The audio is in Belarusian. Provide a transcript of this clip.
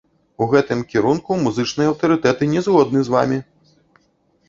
У гэтым кірунку музычныя аўтарытэты не згодны з вамі!